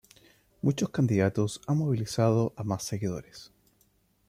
Muchos candidatos han movilizado a más seguidores.